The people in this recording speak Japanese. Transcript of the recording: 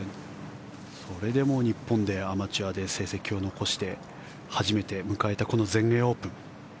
それで日本でアマチュアで成績を残して初めて迎えた全英オープン。